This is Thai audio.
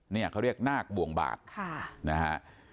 นี่เขาเรียกนากวงบาทนะฮะข้า